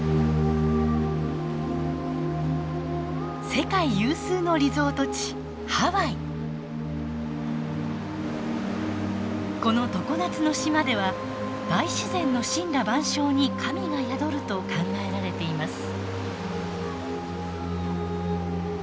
世界有数のリゾート地この常夏の島では大自然の森羅万象に神が宿ると考えられています。